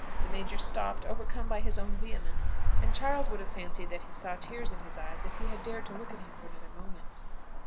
The major stopped, overcome by his own vehemence; and Charles would have fancied that he saw tears in his eyes, if he had dared to look at him for another moment.